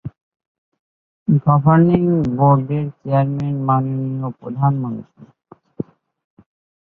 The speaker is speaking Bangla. গভর্নিং বোর্ডের চেয়ারম্যান মাননীয় প্রধানমন্ত্রী।